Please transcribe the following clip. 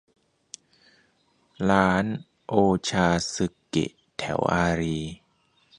ร้านโอชาซึเกะแถวอารีย์